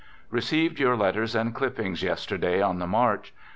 Received your letters and clippings yesterday on j the march.